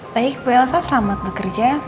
baik bu elsa selamat bekerja